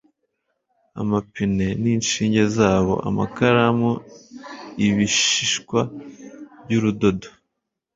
amapine ninshinge zabo, amakaramu, ibishishwa byurudodo,